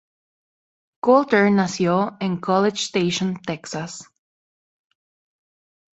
Coulter nació en College Station, Texas.